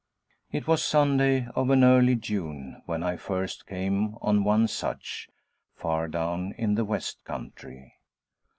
It was Sunday of an early June when I first came on one such, far down in the West country.